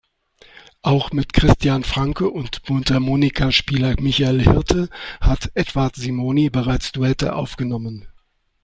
Auch mit Christian Franke und Mundharmonika-Spieler Michael Hirte hat Edward Simoni bereits Duette aufgenommen.